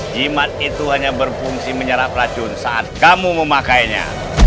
jimat itu hanya berfungsi menyerap racun saat kamu memakainya